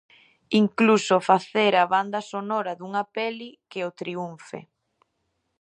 Incluso facer a banda sonora dunha peli que o triunfe.